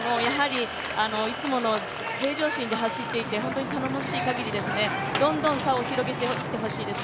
いつもの平常心で走っていて、本当に頼もしいかぎりですねどんどん差を広げていってほしいです。